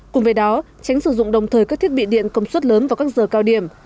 cùng với đó tránh sử dụng đồng thời các thiết bị điện công suất lớn vào các giờ cao điểm